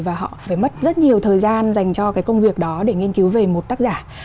và họ phải mất rất nhiều thời gian dành cho cái công việc đó để nghiên cứu về một tác giả